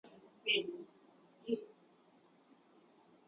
Ondoa tope au kinyesi ama mabaki ya lishe katika makazi ya wanyama